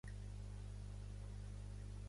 És un endemisme del Mar Roig i del Golf d'Aden.